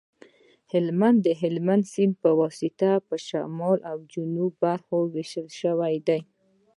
هلمند د هلمند سیند په واسطه په شمالي او جنوبي برخو ویشل شوی دی